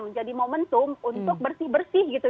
menjadi momentum untuk bersih bersih gitu